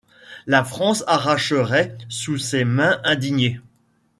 La France arracherait, sous ses mains indignées